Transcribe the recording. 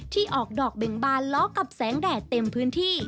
ที่ออกดอกเบ่งบานล้อกับแสงแดดเต็มพื้นที่